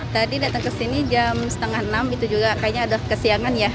tadi datang ke sini jam setengah enam itu juga kayaknya ada kesiangan ya